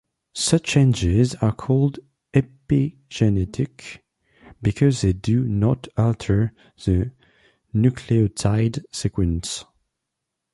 Such changes are called epigenetic because they do not alter the nucleotide sequence.